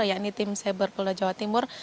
yakni tim cyber polda jawa timur